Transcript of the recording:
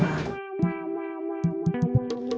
berat kenapa kang dadah